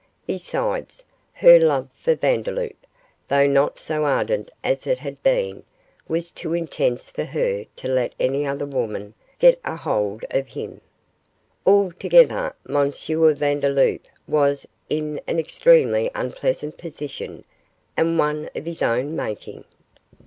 Besides, her love for Vandeloup, though not so ardent as it had been, was too intense for her to let any other woman get a hold of him. Altogether, M. Vandeloup was in an extremely unpleasant position, and one of his own making.